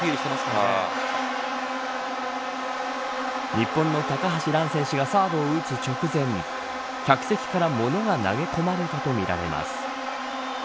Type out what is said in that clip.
日本の高橋藍選手がサーブを打つ直前客席から物が投げ込まれたとみられます。